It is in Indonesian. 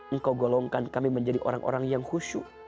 engkau golongkan kami menjadi orang orang yang khusyuk